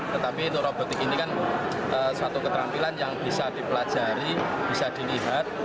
tetapi itu robotik ini kan suatu keterampilan yang bisa dipelajari bisa dilihat